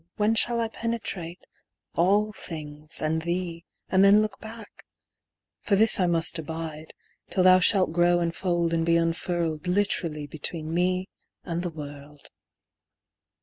When shall I penetrate all things and thee, And then look back ? For this I must abide, Till thou shalt grow and fold and be unfurled Literally between me and the world.